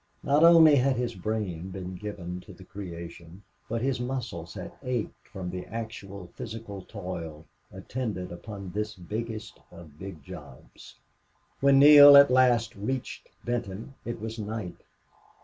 Not only had his brain been given to the creation, but his muscles had ached from the actual physical toil attendant upon this biggest of big jobs. When Neale at last reached Benton it was night.